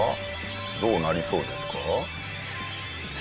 どうなりそうですか？